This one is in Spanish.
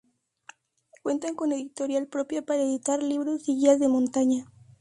Cuentan con editorial propia para editar libros y guías de montaña.